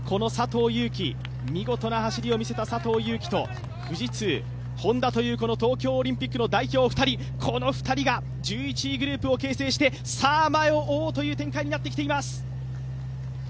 見事な走りを見せた佐藤悠基と富士通、Ｈｏｎｄａという東京オリンピック代表のこの２人が１１位グループを形成して前を追うという展開になっています。